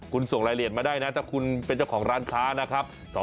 คุณส่งรายละเอียดมาได้นะถ้าคุณเป็นเจ้าของร้านค้านะครับ